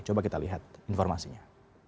coba kita lihat informasinya